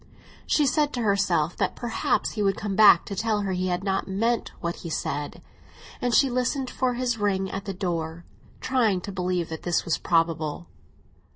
She said to herself that perhaps he would come back to tell her he had not meant what he said; and she listened for his ring at the door, trying to believe that this was probable.